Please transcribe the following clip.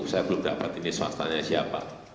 saya belum dapat ini swastanya siapa